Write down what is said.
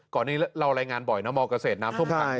ก่อนนี้เรารายงานบ่อยนะมเกษตรน้ำท่วมขัง